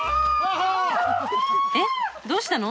えっどうしたの？